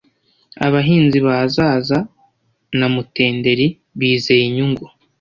Abahinzi ba Zaza na Mutenderi ‘bizeye’ inyungu